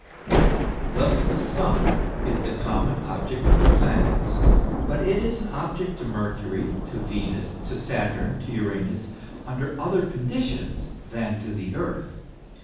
Thus the Sun is the common object of the planets, but it is an object to Mercury, to Venus, to Saturn, to Uranus, under other conditions than to the Earth.